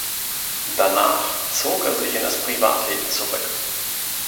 Danach zog er sich in das Privatleben zurück.